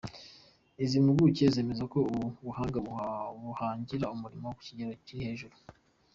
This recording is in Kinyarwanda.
Izi mpuguke zemeza ko ubu buhanga buhangira umuriro ku kigero kiri hejuru.